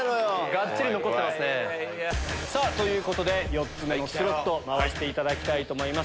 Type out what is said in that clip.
がっちり残ってますね。ということで４つ目のスロット回していただきたいと思います。